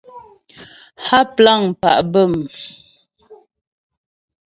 Há plâŋ pá' bə̂m.